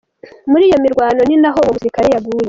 Muri iyo mirwano ni naho uwo musirikare yaguye.